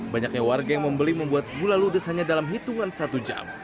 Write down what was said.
banyaknya warga yang membeli membuat gula ludes hanya dalam hitungan satu jam